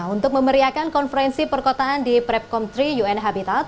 untuk memeriakan konferensi perkotaan di prepkom tiga un habitat